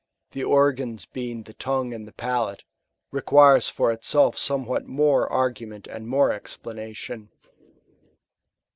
169 the tongue and the palate, requires for itself somewhat more argument and more explanation.